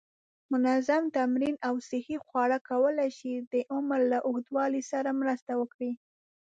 منظم تمرین او صحی خواړه کولی شي د عمر له اوږدوالي سره مرسته وکړي.